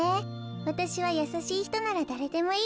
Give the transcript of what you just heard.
わたしはやさしいひとならだれでもいいわ。